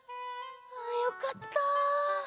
よかった！